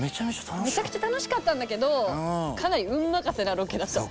めちゃくちゃ楽しかったんだけどかなり運任せなロケだった。